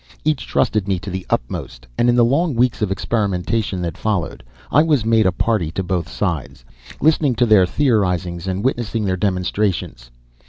Each trusted me to the utmost, and in the long weeks of experimentation that followed I was made a party to both sides, listening to their theorizings and witnessing their demonstrations.